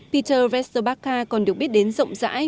peter westerbacca còn được biết đến rộng rãi